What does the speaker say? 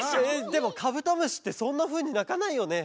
でもカブトムシってそんなふうになかないよね。